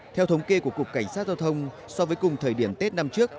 theo thống kê của cục cảnh sát giao thông so với cùng thời điểm tết năm trước